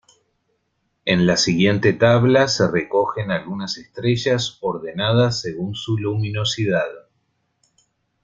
En la siguiente tabla se recogen algunas estrellas ordenadas según su luminosidad.